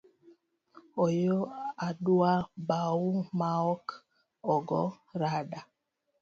Ooyo, adwa bau maok ogo randa.